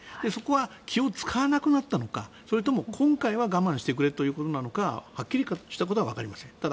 そこは気を使わなくなったのかそれとも今回は我慢してくれということなのかはっきりしたことはわかりません。